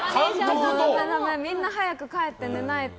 みんな早く帰って寝ないと。